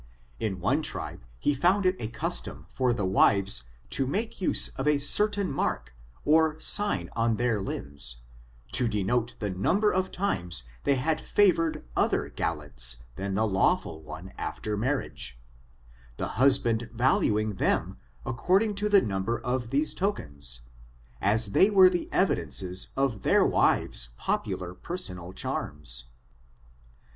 In one tribe, he found it a custom for tlie wives to make use of a certain * mark, or sign on their limbs, to denote the number of times they had favored other gallants than the lawful one after marriage; the husband valuing them according to the niunber of these tokens, as they were the evidences of their wives' popular per sonal charms.